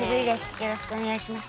よろしくお願いします。